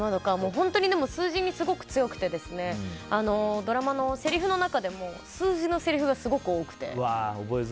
数字にすごく強くてドラマのせりふの中でも数字のせりふがすごく多くて。